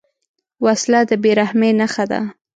وسله د بېرحمۍ نښه ده